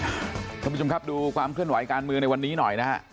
สวัสดีคุณผู้ชมครับดูความเคลื่อนไหวการมือในวันนี้หน่อยนะครับ